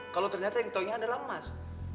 kalo ternyata yang ditanya adalah mas